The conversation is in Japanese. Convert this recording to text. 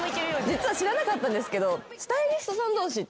実は知らなかったんですけど。